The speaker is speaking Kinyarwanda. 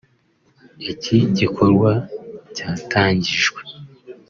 Iki gikorwa cyatangijwe